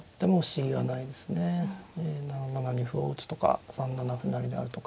７七に歩を打つとか３七歩成であるとか。